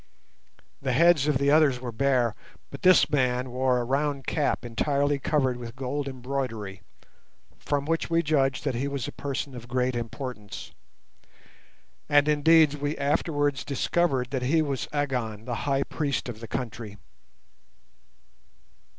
The heads of the others were bare, but this man wore a round cap entirely covered with gold embroidery, from which we judged that he was a person of great importance; and indeed we afterwards discovered that he was Agon, the High Priest of the country.